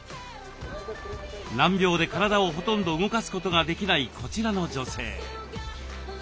難病で体をほとんど動かすことができないこちらの女性。